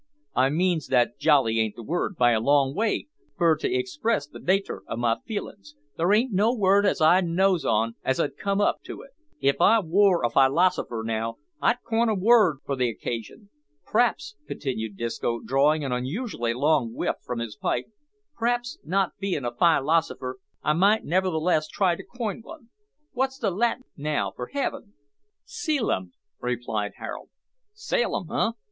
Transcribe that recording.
"I means that jolly ain't the word, by a long way, for to express the natur' o' my feelin's. There ain't no word as I knows on as 'ud come up to it. If I wor a fylosipher, now, I'd coin a word for the occasion. P'raps," continued Disco, drawing an unusually long whiff from his pipe, "p'raps, not bein' a fylosipher, I might nevertheless try to coin one. Wot's the Latin, now, for heaven?" "Caelum," replied Harold. "Sailum, eh?